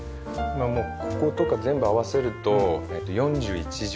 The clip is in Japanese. もうこことか全部合わせると４１畳。